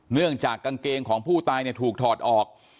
เนื่องจากกางเกงของผู้ตายถูกถอดออก